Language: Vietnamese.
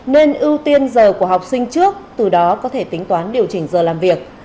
nên ưu tiên giờ của học sinh trước từ đó có thể tính toán điều chỉnh giờ làm việc